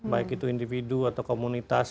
baik itu individu atau komunitas